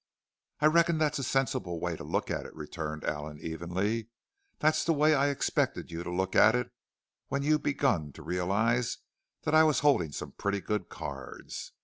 "I reckon that's a sensible way to look at it," returned Allen evenly. "That's the way I expected you'd look at it when you begun to realize that I was holding some pretty good cards.